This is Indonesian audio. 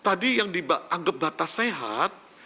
tadi yang dianggap batas sehat